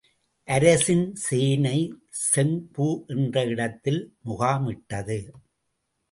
அரசின் சேனை செங்பூ என்ற இடத்தில் முகாமிட்டது.